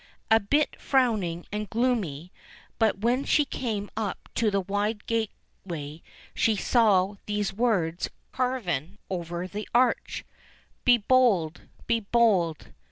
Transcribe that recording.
A bit frowning and gloomy, but when she came up to the wide gateway she saw these words carven over the arch : BE BOLD — BE BOLD.